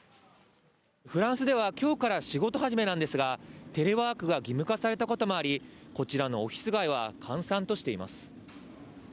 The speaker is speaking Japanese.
フランスでは今日から仕事始めなんですが、テレワークが義務化されたこともあり、こちらのオフィス街は閑散としています。